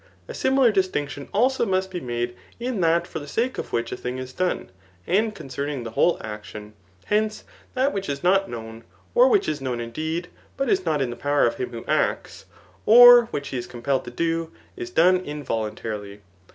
A similar distinction also must be made in that for the sake of which a thing is done, and concerning the whole action. Hence, that which is not known, or which is known indeed, but is not in the power of him who acts, or which he is compelled to do, is done involuntarily.